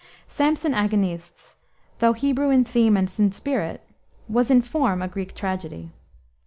Samson Agonistes, though Hebrew in theme and in spirit, was in form a Greek tragedy.